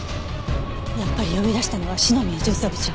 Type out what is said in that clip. やっぱり呼び出したのは篠宮巡査部長。